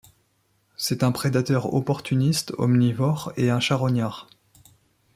C'est un prédateur opportuniste omnivore et un charognard.